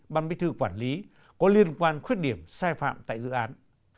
ban bí thư quản lý có liên quan khuyết điểm sai phạm tại dự án